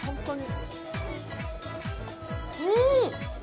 うん！